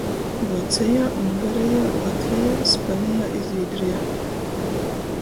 Vuocejā, Ungarejā, Latvejā, Spanejā i Zvīdrejā.